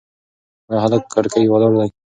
ایا هلک په کړکۍ کې ولاړ دی؟